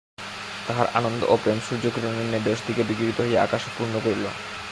তাঁহার আনন্দ ও প্রেম সূর্য্যকিরণের ন্যায় দশ দিকে বিকিরিত হইয়া আকাশ পূর্ণ করিল।